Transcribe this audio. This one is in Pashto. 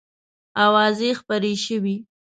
آوازې خپرې شوې.